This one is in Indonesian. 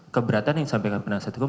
keberatan yang disampaikan penasihat hukum